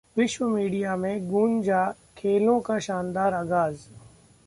विश्व मीडिया में गूंजा खेलों का शानदार आगाज